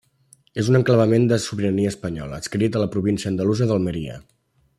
És un enclavament de sobirania espanyola, adscrit a la província andalusa d'Almeria.